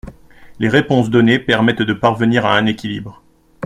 Les réponses données permettent de parvenir à un équilibre.